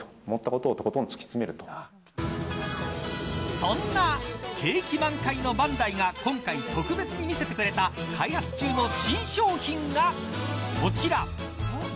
そんな景気満開のバンダイが今回特別に見せてくれた開発中の新商品がこちら。